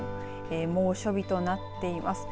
猛暑日となっています。